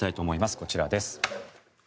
こちらです。